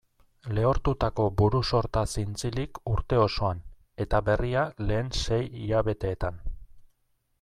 Lehortutako buru-sorta zintzilik urte osoan, eta berria lehen sei hilabeteetan.